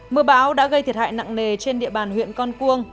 mưa bão đã gây thiệt hại nặng nề trên địa bàn huyện con cuông